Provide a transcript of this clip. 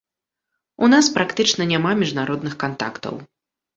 У нас практычна няма міжнародных кантактаў!